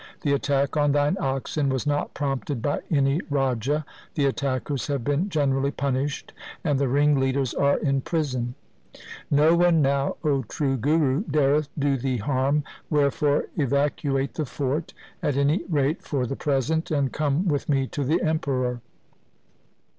The attack on thine oxen was not prompted by any raja. The attackers have been generally punished, and the ringleaders are in prison. No one now, O true Guru, dareth do thee harm, wherefore evacuate the fort, at any rate for the present, and come with me to the Emperor.